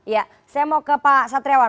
ya saya mau ke pak satriawan